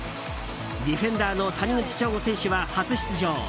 ディフェンダーの谷口彰悟選手は初出場。